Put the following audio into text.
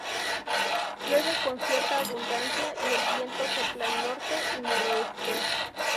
Llueve con cierta abundancia y el viento sopla norte y noroeste.